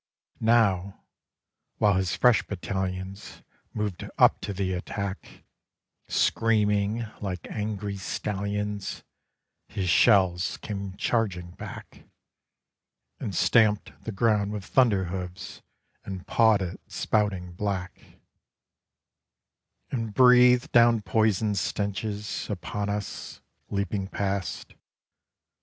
Now while his fresh battalions Moved up to the attack Screaming like angry stallions, His shells came charging back, And stamped the ground with thunder hooves and pawed it spouting black And breathed down poison stenches Upon us, leaping past....